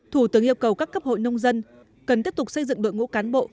thủ tướng yêu cầu các cấp hội nông dân cần tiếp tục xây dựng đội ngũ cán bộ